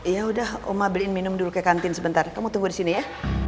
ya udah oma beliin minum dulu ke kantin sebentar kamu tunggu di sini ya